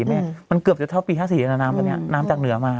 แหมมันเกือบจะเท่าปีห้าสี่กันแล้วน้ำฉะนี้น้ำจากเหนือมา